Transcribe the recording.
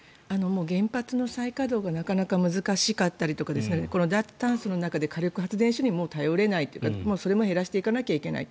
原発の再稼働がなかなか難しかったりとか脱炭素の中で火力発電所に頼れないというかそれも減らしていかなきゃいけない。